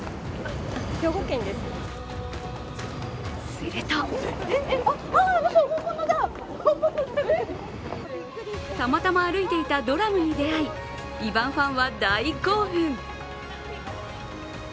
するとたまたま歩いていたドラムに出会い「ＶＩＶＡＮＴ」ファンは大興奮。